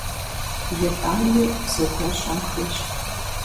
ИтӀани зыгуэр щӀэн хуейщ.